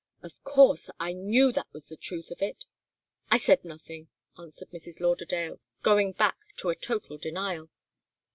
Of course. I knew that was the truth of it!" "I said nothing," answered Mrs. Lauderdale, going back to a total denial.